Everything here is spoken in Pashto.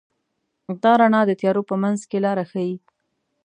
دا رڼا د تیارو په منځ کې لاره ښيي.